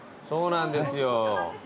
そうなんですよ。